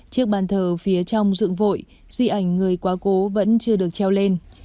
chiếc bàn thờ phía trong dựng vội di ảnh người quá cố vẫn chưa được treo lên